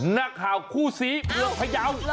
นักข่าวครูสีอือพะยาว